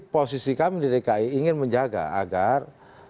posisi kami di dki ingin menjaga agar